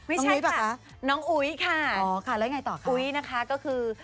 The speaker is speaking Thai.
ใช้ป่ะคะน้องอุ๊ยค่ะอ๋อค่ะแล้วยังไงต่อคะอุ๊ยนะคะก็คือ